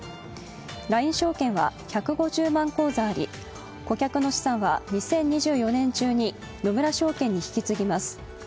ＬＩＮＥ証券は１５０万口座あり、顧客の資産は２０２４年中に野村証券に引き継ぎます。